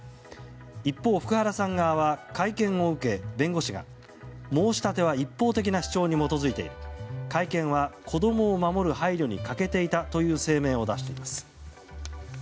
一方、福原さん側は会見を受け、弁護士は申し立ては一方的な主張に基づいている会見は子供を守る配慮に欠けていたという声明を出しています。